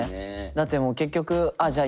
だってもう結局あっじゃあ